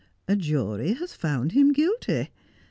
A jury has found him guilty.